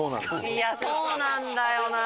いやそうなんだよな。